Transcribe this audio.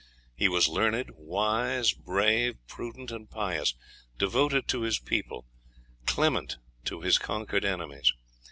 He was learned, wise, brave, prudent, and pious; devoted to his people, clement to his conquered enemies.